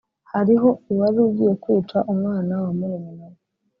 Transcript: Hariho uwari ugiye kwica umwana wa murumuna we